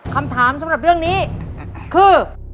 คำถามสำหรับเรื่องนี้คือ